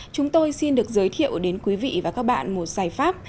chúng tôi xin được giới thiệu đến quý vị và các bạn một giải pháp